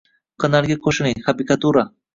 Kanalga qo'shiling: habikatura